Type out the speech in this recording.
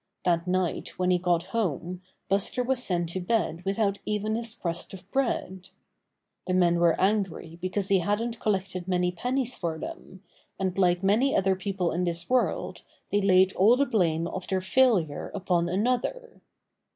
That night when he got home Buster was sent to bed without even his crust of bread. The men were angry because he hadn't collected many pennies for them, and like many other people in this world they laid all the blame of their failure upon another.